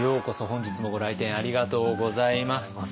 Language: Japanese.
本日もご来店ありがとうございます。